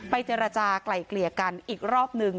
เจรจากลายเกลี่ยกันอีกรอบนึง